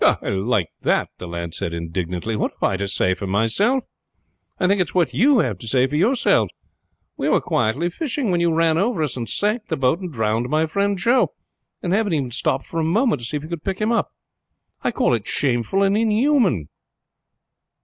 "I like that," the lad said indignantly. "What have I to say for myself! I think it's what have you to say for yourselves? We were quietly fishing when you ran over us and sank the boat and drowned my friend Joe, and haven't even stopped for a moment to see if you could pick him up. I call it shameful and inhuman!"